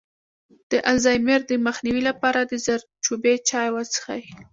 د الزایمر د مخنیوي لپاره د زردچوبې چای وڅښئ